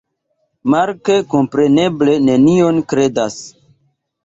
Mark kompreneble nenion kredas.